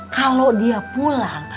kalau dia pulang